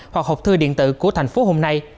hoặc hộp thư điện tử của thành phố hôm nay